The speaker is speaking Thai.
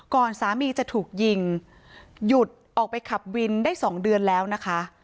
สามีจะถูกยิงหยุดออกไปขับวินได้๒เดือนแล้วนะคะ